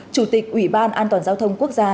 chủ tịch ủy ban an toàn giao thông quốc gia